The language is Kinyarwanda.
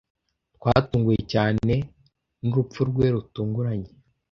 Twatunguwe cyane nurupfu rwe rutunguranye.